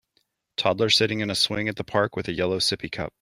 toddler siting in a swing at the park with a yellow sippy cup.